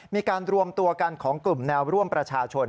มีการรวมตัวกันของกลุ่มแนวร่วมประชาชน